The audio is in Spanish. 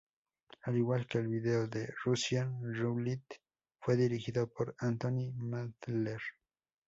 Al igual que el video de "Russian Roulette", fue dirigido por Antony Mandler.